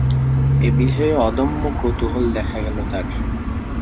এ বিষয়ে অদম্য কৌতুহল দেখা গেল তার।